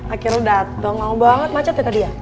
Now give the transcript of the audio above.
akhirnya dateng lama banget macet ya tadi ya